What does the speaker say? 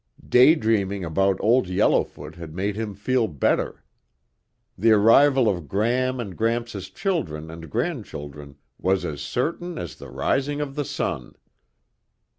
Daydreaming about Old Yellowfoot had made him feel better. The arrival of Gram and Gramps' children and grandchildren was as certain as the rising of the sun.